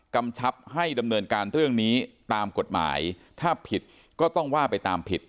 กำชับให้ดำเนินการเรื่องนี้ตามกฎหมายถ้าผิดก็ต้องว่าไปตามผิด